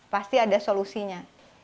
pasti ada solusinya